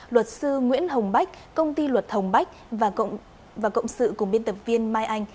luật sư nguyễn hồng bách công ty luật hồng bách và cộng sự cùng biên tập viên mai anh